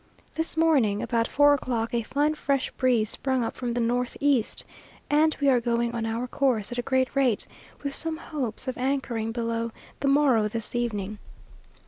This morning, about four o'clock, a fine fresh breeze sprung up from the north east, and we are going on our course at a great rate, with some hopes of anchoring below the Morro this evening.